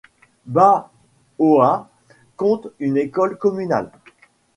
Bas-Oha compte une école communale.